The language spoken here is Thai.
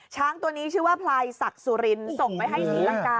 ช้างตัวนี้ชื่อว่าพลายศักดิ์สุรินส่งไปให้ศรีลังกา